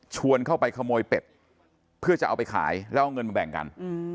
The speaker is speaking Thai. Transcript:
เข้าไปขโมยเป็ดเพื่อจะเอาไปขายแล้วเอาเงินมาแบ่งกัน